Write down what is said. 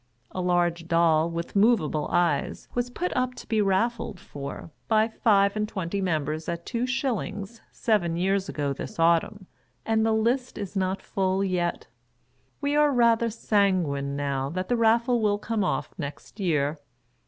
A large doll with moveable eyes, was put up to be raffled for, by five and twenty members at two shillings, seven years ago this autumn, and the list is not full yet. We are rather sanguine, now, that the raffle will come off next year.